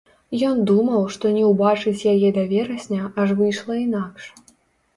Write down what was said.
Ён думаў, што не ўбачыць яе да верасня, аж выйшла інакш.